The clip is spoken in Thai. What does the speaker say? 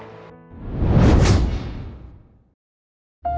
ไปชมพร้อมกันครับ